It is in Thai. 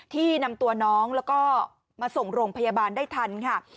ที่นำตัวน้องแล้วก็มาส่งโรงพยาบาลได้ทันค่ะ